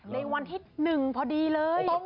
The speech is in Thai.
ในวันที่๑พอดีเลย